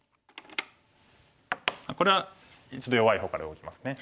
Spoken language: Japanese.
これは一度弱い方から動きますね。